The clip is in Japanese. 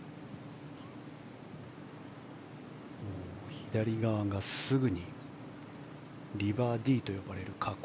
左側すぐがリバーディーと呼ばれる河口。